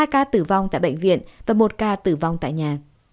hai ca tử vong tại bệnh viện và một ca tử vong tại nhà